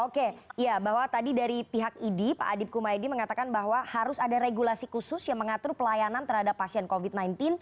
oke ya bahwa tadi dari pihak idi pak adip kumaydi mengatakan bahwa harus ada regulasi khusus yang mengatur pelayanan terhadap pasien covid sembilan belas